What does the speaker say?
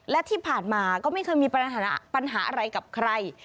และที่ผ่านมาก็ไม่เคยมีปัญหาปัญหาอะไรกับใคร